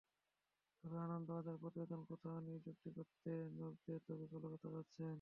তবে আনন্দবাজারের প্রতিবেদনে কোথাও নেই চুক্তি করতে নর্দে কবে কলকাতা যাচ্ছেন।